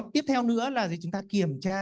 tiếp theo nữa là chúng ta kiểm tra